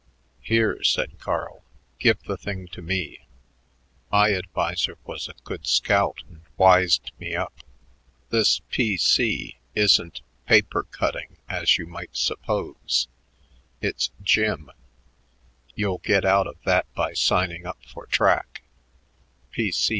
"Here," said Carl, "give the thing to me. My adviser was a good scout and wised me up. This P.C. isn't paper cutting as you might suppose; it's gym. You'll get out of that by signing up for track.